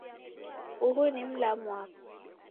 Uhu ni mlamu wapo.